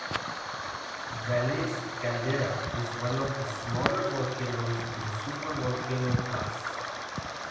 Valles Caldera is one of the smaller volcanoes in the supervolcano class.